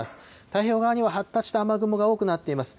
太平洋側には発達した雨雲が多くなっています。